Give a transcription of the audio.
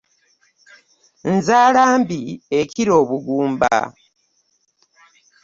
Nzala mbi ekira obugumba .